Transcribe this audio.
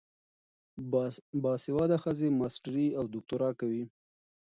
باسواده ښځې ماسټري او دوکتورا کوي.